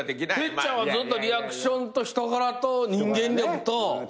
てっちゃんはずっとリアクションと人柄と人間力と。